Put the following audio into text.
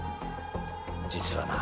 実はな